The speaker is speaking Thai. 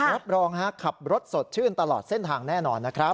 รับรองขับรถสดชื่นตลอดเส้นทางแน่นอนนะครับ